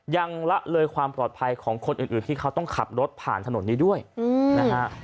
ละเลยความปลอดภัยของคนอื่นที่เขาต้องขับรถผ่านถนนนี้ด้วยนะฮะ